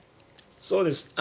そうです。